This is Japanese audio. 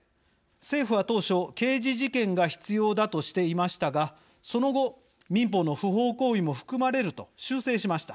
政府は当初、刑事事件が必要だとしていましたがその後民法の不法行為も含まれると修正しました。